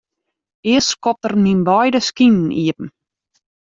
Earst skopt er myn beide skinen iepen.